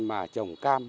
mà trồng cam